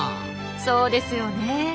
そうですよねえ。